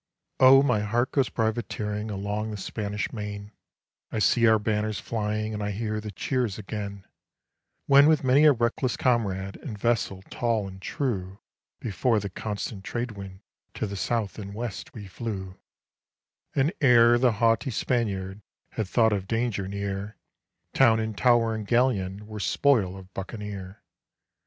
Oh, my heart goes privateering along the Spanish Main I see our banners flying and I hear the cheers again: When with many a reckless comrade in vessel tall and true, Before the constant trade wind to the south and west we flew, And ere the haughty Spaniard had thought of danger near Town and tower and galleon were spoil of buccaneer.